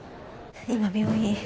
今病院。